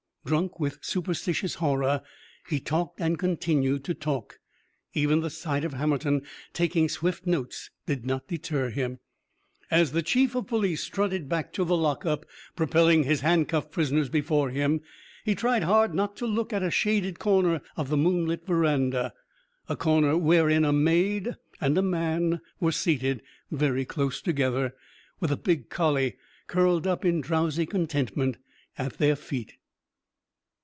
Drunk with superstitious horror, he talked and continued to talk. Even the sight of Hammerton taking swift notes did not deter him. As the chief of police strutted back to the lock up, propelling his handcuffed prisoners before him, he tried hard not to look at a shaded corner of the moonlit veranda a corner wherein a maid and a man were seated very close together, with a big collie curled up in drowsy contentment at their feet.